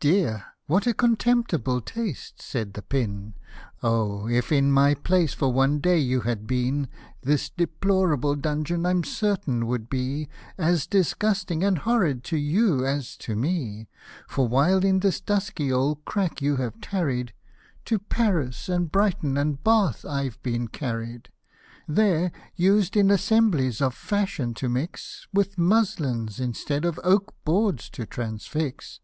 " Dear ! what a contemptible taste/' said the pin ;" Oh ! if in my place for one day you had been, This deplorable dungeon, I'm certain, would be As disgusting and horrid to you, as to me. For while in this dusty old crack you have tarried, To Paris, and Brighton, and Bath, I've been carried. There used in assemblies of fashion to mix With muslins, instead of oak boards to transfix."